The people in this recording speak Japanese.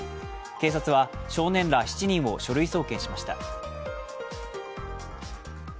警察は少年ら７人を書類送検しました。